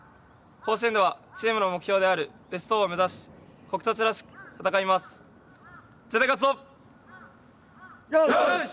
甲子園ではチームの目標であるベスト４を目指し国栃らしく戦います。